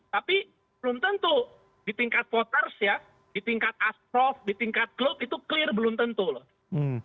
tapi belum tentu di tingkat voters ya di tingkat asprof di tingkat klub itu clear belum tentu loh